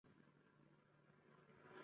Hech qachon xatolarga yo’l qo’ymagan edim.